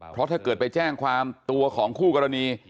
เพราะถ้าเกิดไปแจ้งความตัวของคู่กรณี